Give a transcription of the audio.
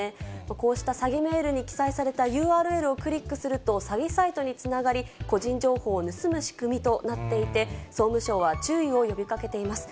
こうした詐欺メールに記載されたＵＲＬをクリックすると、詐欺サイトにつながり、個人情報を盗む仕組みとなっていて、総務省は注意を呼びかけています。